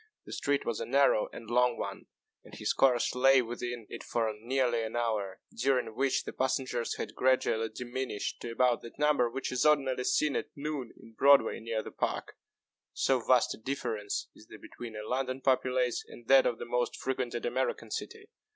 The street was a narrow and long one, and his course lay within it for nearly an hour, during which the passengers had gradually diminished to about that number which is ordinarily seen at noon in Broadway near the Park so vast a difference is there between a London populace and that of the most frequented American city.